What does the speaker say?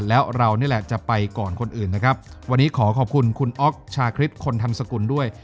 แล้วเรานี่แหละจะไปก่อนคนอื่นนะครับวันนี้ขอขอบคุณคุณอ๊อกชาคริสคนทำสกุลด้วย